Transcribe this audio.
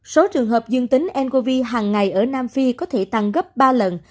số trường hợp dương tính ncov hàng ngày ở nam phi có thể tăng gấp ba lần